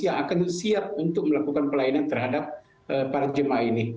yang akan siap untuk melakukan pelayanan terhadap para jemaah ini